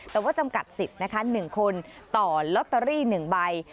แต่ว่าจำกัดสิทธิ์นะคะ๑คนต่อลอตเตอรี่๑ใบ